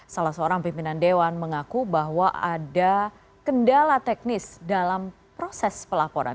salah seorang pimpinan dewan mengaku bahwa ada kendala teknis dalam proses pelaporan